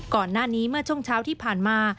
ก่อนหน้านี้เมื่อช่วงเช้าที่ผ่านมา